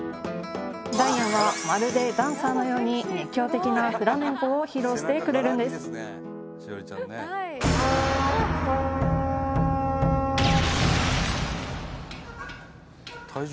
ダイアンはまるでダンサーのように熱狂的なフラメンコを披露してくれるんです体重